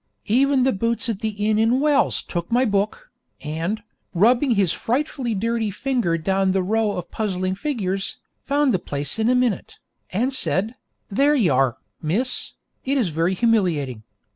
Even the boots at the inn in Wells took my book, and, rubbing his frightfully dirty finger down the row of puzzling figures, found the place in a minute, and said, 'There ye are, miss.' It is very humiliating.